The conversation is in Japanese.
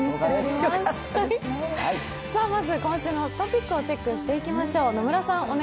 まず今週のトピックをチェックしていきましょう。